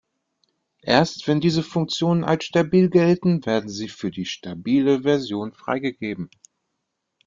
Erst wenn diese Funktionen als stabil gelten, werden sie für die stabile Version freigegeben.